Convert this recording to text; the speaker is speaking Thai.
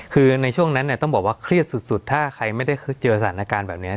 คือในช่วงนั้นเนี่ยต้องบอกว่าเครียดสุดถ้าใครไม่ได้เจอสถานการณ์แบบนี้